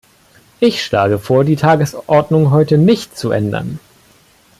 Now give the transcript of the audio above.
Ich schlage vor, die Tagesordnung heute nicht zu ändern.